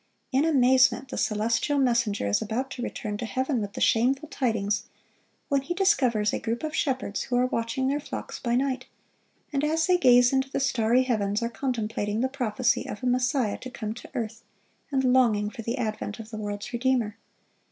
In amazement the celestial messenger is about to return to heaven with the shameful tidings, when he discovers a group of shepherds who are watching their flocks by night, and as they gaze into the starry heavens, are contemplating the prophecy of a Messiah to come to earth, and longing for the advent of the world's Redeemer.